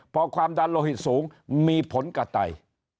พอความดันโลหิตสูงมีผลกับไต